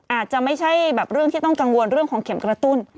อาจจะไม่ใช่แบบเรื่องที่ต้องกังวลเรื่องของเข็มกระตุ้น